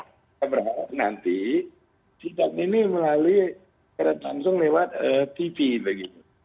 kita berharap nanti sidang ini melalui secara langsung lewat tv begitu